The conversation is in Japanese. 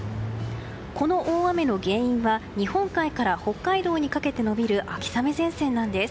この大雨の原因は日本海から北海道にかけて延びる秋雨前線なんです。